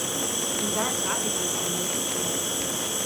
En daar gaat het uiteindelijk toch om.